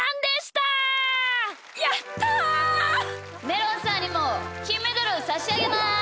めろんさんにもきんメダルをさしあげます！